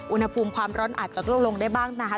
อุณหภูมิความร้อนอาจจะร่วงลงได้บ้างนะคะ